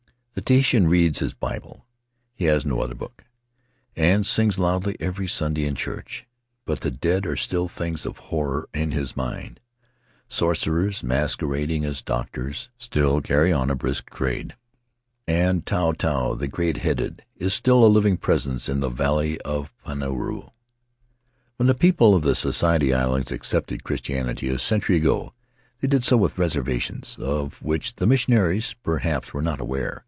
The Tahitian reads his Bible (he has no other book) and sings loudly every Sunday in church; but the dead are still things of horror in his mind; sorcerers — masquerading as doc tors — still carry on a brisk trade; and Tautau, the Great headed, is still a living presence in the valley of Punaruu. When the people of the Society Islands accepted Christianity a century ago they did so with reservations 19 f 277 1 Faery Lands of the South Seas of which the missionaries, perhaps, were not aware.